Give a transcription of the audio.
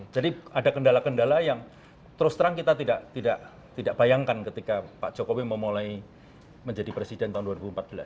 jadi ada kendala kendala yang terus terang kita tidak bayangkan ketika pak jokowi memulai menjadi presiden tahun dua ribu empat belas